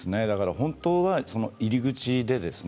本当は入り口ですよね。